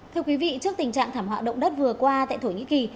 thưa quý vị trước tình trạng thảm họa động đất vừa qua tại thổ nhĩ kỳ